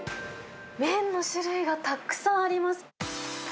麺の種類がたくさんあります。